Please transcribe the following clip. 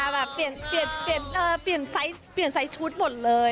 แบบเปลี่ยนไซส์ชุดหมดเลย